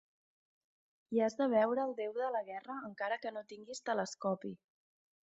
Hi has de veure el déu de la guerra encara que no tinguis telescopi.